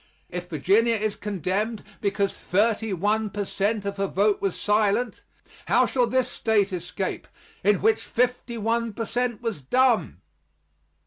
If Virginia is condemned because thirty one per cent of her vote was silent, how shall this State escape, in which fifty one per cent was dumb?